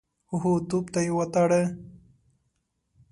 هو، توپ ته يې وتاړه.